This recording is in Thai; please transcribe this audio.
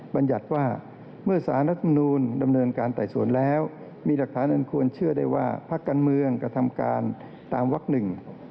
บรรยัติว่าเมื่อสารรัฐมนูลดำเนินการไต่สวนแล้วมีหลักฐานอันควรเชื่อได้ว่าพักการเมืองกระทำการตามวักหนึ่ง